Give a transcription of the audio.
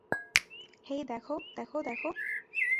হেই দেখ, দেখ, দেখ!